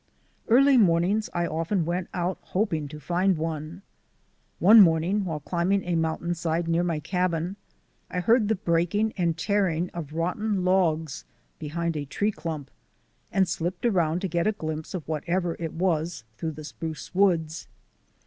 Early morn ings I often went out hoping to find one. One morn ing, while climbing a mountainside near my cabin, I heard the breaking and tearing of rotten logs behind a tree clump, and slipped around to get a glimpse of whatever it was through the spruce woods.